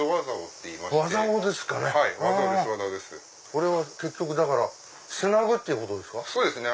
これは結局だからつなぐってことですか？